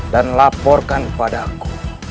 dan laporkan kepada aku